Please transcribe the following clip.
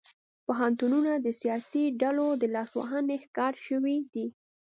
پوهنتونونه د سیاسي ډلو د لاسوهنې ښکار شوي دي